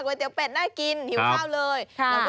ก๋วยเตี๋ยวแปดน่ากินหิวข้าวเลย